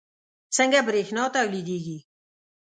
څنګه بریښنا تولیدیږي